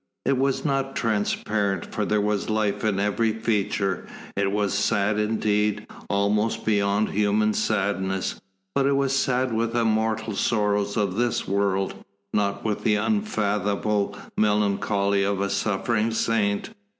It was not transparent, for there was life in every feature; it was sad indeed almost beyond human sadness, but it was sad with the mortal sorrows of this world, not with the unfathomable melancholy of the suffering saint.